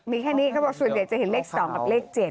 มีแค่นี้เขาบอกส่วนใหญ่จะเห็นเลข๒กับเลข๗